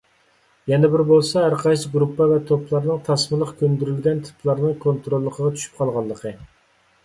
يەنە بىرى بولسا، ھەرقايسى گۇرۇپپا ۋە توپلارنىڭ تاسمىلىق كۆندۈرۈلگەن تىپلارنىڭ كونتروللۇقىغا چۈشۈپ قالغانلىقى.